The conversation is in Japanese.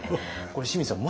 これ清水さん